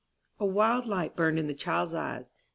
A wild light burned in the child's eyes.